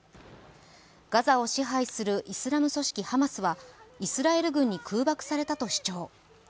ガザを支配するイスラム組織ハマスはイスラエル軍に空爆されたと主張。